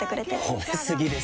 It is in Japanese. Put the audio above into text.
褒め過ぎですよ。